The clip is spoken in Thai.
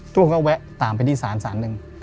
ทุกคนก็แวะตามไปที่ศาลนึง